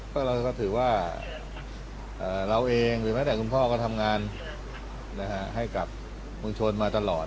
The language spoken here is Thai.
ไม่เป็นไรครับเราถือว่าเราเองหรือว่าแต่คุณพ่อก็ทำงานให้กับเมืองชนมาตลอด